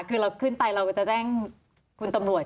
คือเราขึ้นไปเราก็จะแจ้งคุณตำรวจ